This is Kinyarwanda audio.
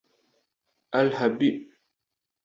Al-Harbi